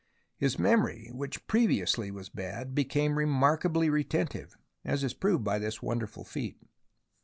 His memory, which previously was bad, became remarkably retentive, as is proved by this wonderful feat.